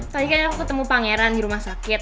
tadi kan aku ketemu pangeran di rumah sakit